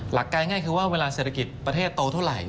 หลักการง่ายคือว่าเวลาเศรษฐกิจประเทศโตเท่าไหร่